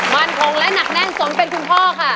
มั่นคงและหนักแน่นสมเป็นคุณพ่อค่ะ